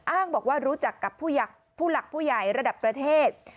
อ้างบอกว่ารู้จักกับผู้หลักผู้ใหญ่ระดับประเทศ